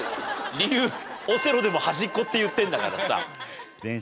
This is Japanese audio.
理由オセロでも端っこって言ってんだからさ。